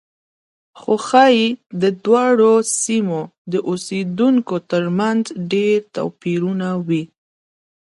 خو ښایي د دواړو سیمو د اوسېدونکو ترمنځ ډېر توپیرونه وي.